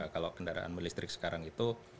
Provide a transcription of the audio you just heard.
kalau kendaraan listrik sekarang itu